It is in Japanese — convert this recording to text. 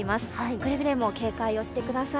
くれぐれも警戒をしてください。